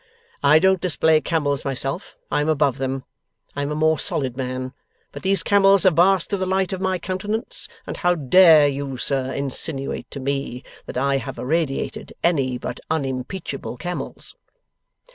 'I don't display camels myself, I am above them: I am a more solid man; but these camels have basked in the light of my countenance, and how dare you, sir, insinuate to me that I have irradiated any but unimpeachable camels?